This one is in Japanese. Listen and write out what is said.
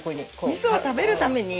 味噌を食べるために。